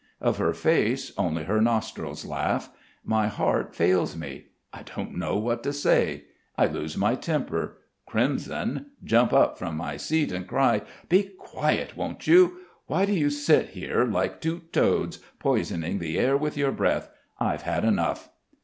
Of her face, only her nostrils laugh. My heart fails me. I don't know what to say. I lose my temper, crimson, jump up from my seat and cry: "Be quiet, won't you? Why do you sit here like two toads, poisoning the air with your breath? I've had enough."